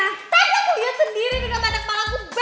tadi aku liat sendiri udah pada kepala ku be